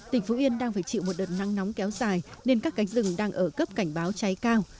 tỉnh phú yên đang phải chịu một đợt nắng nóng kéo dài nên các cánh rừng đang ở cấp cảnh báo cháy cao